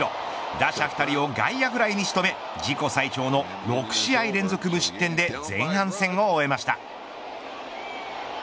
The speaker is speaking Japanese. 打者２人を外野フライに仕留め自己最長の６試合連続無失点で前半戦を終えました。